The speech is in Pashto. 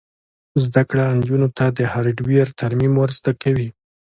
زده کړه نجونو ته د هارډویر ترمیم ور زده کوي.